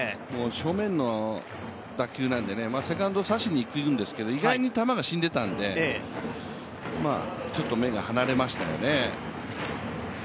正面の打球なんで、セカンド刺しにいくんですけど意外に球が死んでいたんで、ちょっと目が離れましたよね。